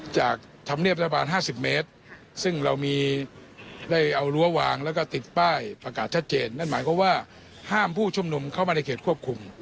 จากธรรมเนียบรัฐบาล๕๐เมตรซึ่งเรามีได้เอารั้ววางแล้วก็ติดป้ายประกาศชัดเจนนั่นหมายความว่าห้ามผู้ชุมนุมเข้ามาในเขตควบคุม